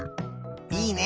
いいね。